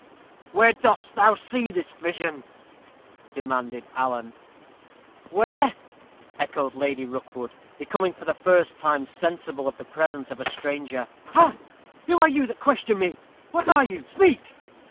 "Where dost thou see this vision?" demanded Alan. "Where!" echoed Lady Rookwood, becoming for the first time sensible of the presence of a stranger. "Ha who are you that question me? what are you? speak!"